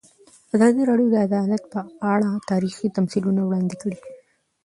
ازادي راډیو د عدالت په اړه تاریخي تمثیلونه وړاندې کړي.